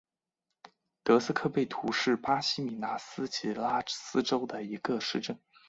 德斯科贝图是巴西米纳斯吉拉斯州的一个市镇。